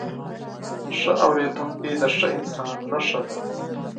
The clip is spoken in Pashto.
ښه اورېدونکی، د ښه انسان نښه ده.